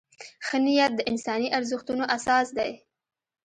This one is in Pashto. ښه نیت د انساني ارزښتونو اساس دی.